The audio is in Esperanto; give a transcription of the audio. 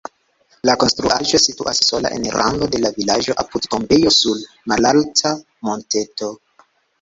La konstruaĵo situas sola en rando de la vilaĝo apud tombejo sur malalta monteto.